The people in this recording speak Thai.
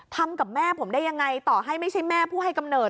ทำกับแม่ผมได้ยังไงต่อให้ไม่ใช่แม่ผู้ให้กำเนิด